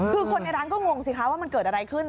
คือคนในร้านก็งงสิคะว่ามันเกิดอะไรขึ้น